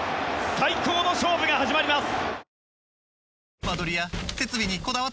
最高の勝負が始まります。